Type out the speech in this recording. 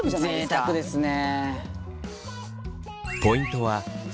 ぜいたくですね。